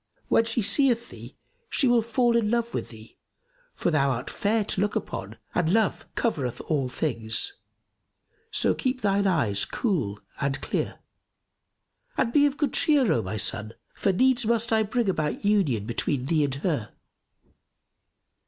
When she seeth thee, she will fall in love with thee; for thou art fair to look upon and love covereth all things. So keep thine eyes cool and clear[FN#278] and be of good cheer, O my son, for needs must I bring about union between thee and her."